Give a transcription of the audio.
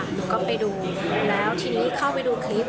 หนูก็ไปดูแล้วทีนี้เข้าไปดูคลิป